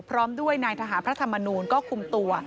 พร้อมด้วยนายทหารพระธรรมนูลก็คุมตัว